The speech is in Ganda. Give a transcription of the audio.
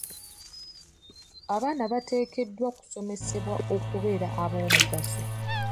Abaana bateekeddwa okusomesebwa okubeera ab'omugaso.